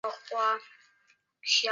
另一方面也是为了拍摄大草原的景。